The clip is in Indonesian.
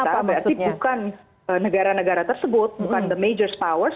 dan harus kita berarti bukan negara negara tersebut bukan the major powers